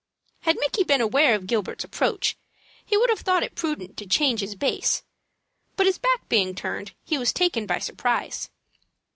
Had Micky been aware of Gilbert's approach he would have thought it prudent to "change his base;" but, his back being turned, he was taken by surprise.